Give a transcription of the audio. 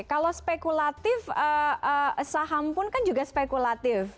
kalau spekulatif saham pun kan juga spekulatif